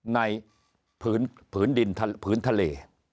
ผืนดินผืนทะเล